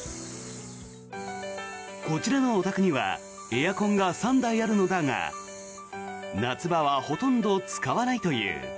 こちらのお宅にはエアコンが３台あるのだが夏場はほとんど使わないという。